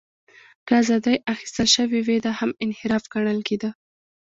که ازادۍ اخیستل شوې وې، دا هم انحراف ګڼل کېده.